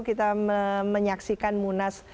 kita menyaksikan munas